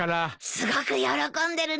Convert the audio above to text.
すごく喜んでるね。